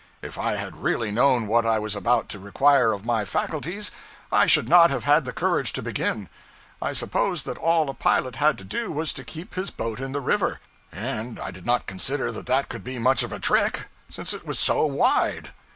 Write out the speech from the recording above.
If I had really known what I was about to require of my faculties, I should not have had the courage to begin. I supposed that all a pilot had to do was to keep his boat in the river, and I did not consider that that could be much of a trick, since it was so wide.